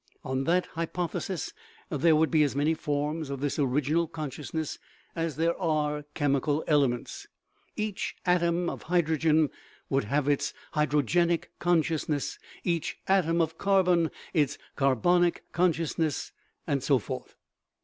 On that hypothesis there would be as many forms of this original consciousness as there are chemical elements ; each atom of hydrogen would have its hydrogenic consciousness, each atom of carbon its carbonic consciousness, and so forth.